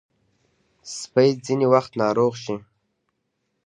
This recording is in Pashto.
سپي ځینې وخت ناروغ شي.